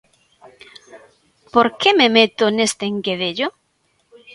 ¿Por que me meto neste enguedello?